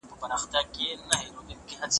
د هېواد تنکۍ ولسواکي په بې رحمانه ډول ووژل سوه.